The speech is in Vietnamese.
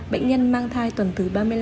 bệnh nhân mang thai tuần thứ ba mươi năm